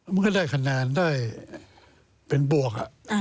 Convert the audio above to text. มันก็ได้คะแนนได้เป็นบวก